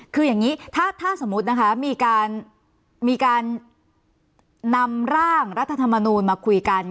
คืออย่างนี้ถ้าสมมุตินะคะมีการนำร่างรัฐธรรมนูลมาคุยกัน